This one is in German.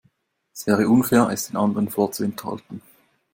Es wäre unfair, es den anderen vorzuenthalten.